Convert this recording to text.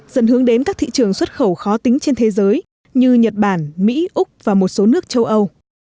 dần hướng đến các thị trường xuất khẩu khó tính trên thế giới như nhật bản mỹ úc và một số nước châu âu